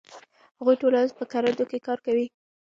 هغوی ټوله ورځ په کروندو کې کار کاوه.